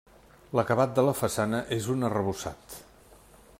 L'acabat de la façana és un arrebossat.